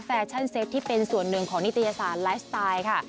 แฟชั่นเซฟที่เป็นส่วนหนึ่งของนิตยสารไลฟ์สไตล์ค่ะ